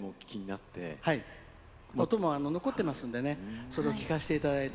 音も残ってますのでそれを聞かせていただいて。